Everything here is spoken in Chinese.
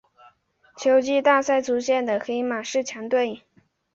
秋季大赛出现的黑马式强队。